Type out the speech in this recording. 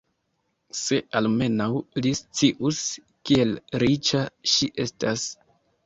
Se almenaŭ li scius, kiel riĉa ŝi estas!